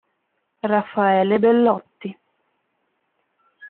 Raffaele Bellotti.